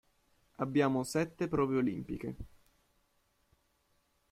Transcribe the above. Abbiamo sette prove olimpiche.